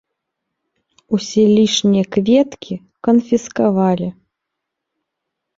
Усе лішнія кветкі канфіскавалі.